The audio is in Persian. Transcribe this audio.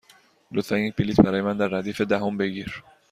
لطفا یک بلیط برای من در ردیف دهم بگیر.